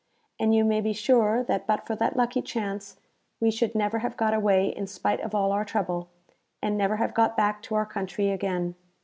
And you may be sure that but for that lucky chance, we should never have got away in spite of all our trouble, and never have got back to our country again.